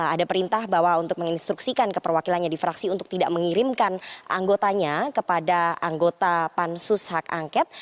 ada perintah bahwa untuk menginstruksikan ke perwakilannya di fraksi untuk tidak mengirimkan anggotanya kepada anggota pansus hak angket